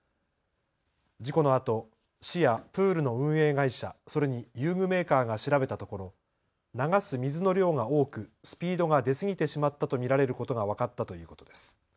事故のあと、市やプールの運営会社、それに遊具メーカーが調べたところ、流す水の量が多くスピードが出すぎてしまったと見られることが分かったということです。